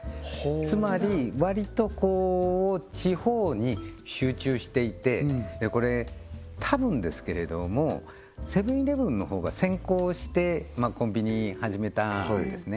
つまり割と地方に集中していてこれたぶんですけれどもセブン−イレブンのほうが先行してコンビニ始めたんですね